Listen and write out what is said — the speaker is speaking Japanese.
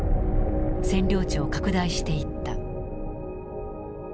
占領地を拡大していった。